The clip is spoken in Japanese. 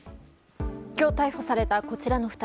今日、逮捕されたこちらの２人。